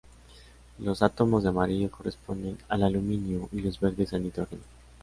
Los átomos de amarillo corresponden al aluminio y los verdes al nitrógeno.